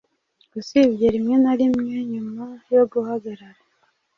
usibye rimwe na rimwe nyuma yo guhagarara